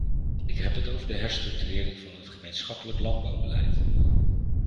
Ik heb het over de herstructurering van het gemeenschappelijk landbouwbeleid.